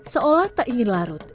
seolah tak ingin larut